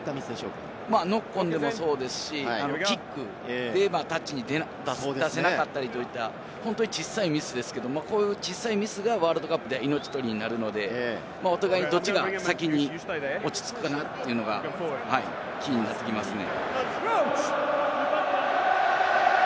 ノックオンでもそうですし、キックでタッチに出せなかったりといった本当に小さいミスですけれど、こういう小さいミスがワールドカップでは命取りになるので、お互いにどっちが先に落ち着くかなというのが気になってきますね。